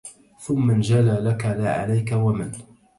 ثم انجلى لك لا عليك ومن